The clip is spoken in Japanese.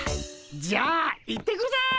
じゃあ行ってくるぜ！